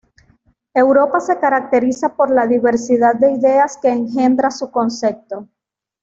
Europa se caracteriza por la diversidad de ideas que engendra su concepto.